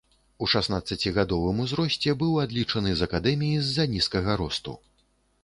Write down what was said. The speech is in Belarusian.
У шаснаццацігадовым узросце быў адлічаны з акадэміі з-за нізкага росту.